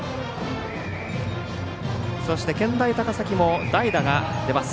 そして健大高崎も代打が出ます。